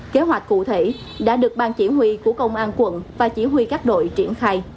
kế hoạch cụ thể đã được ban chỉ huy của công an quận và chỉ huy các đội triển khai